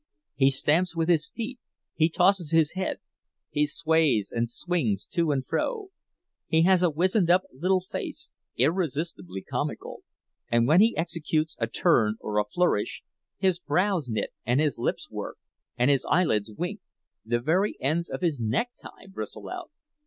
He stamps with his feet, he tosses his head, he sways and swings to and fro; he has a wizened up little face, irresistibly comical; and, when he executes a turn or a flourish, his brows knit and his lips work and his eyelids wink—the very ends of his necktie bristle out.